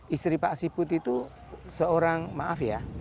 istri pak siput itu seorang maaf ya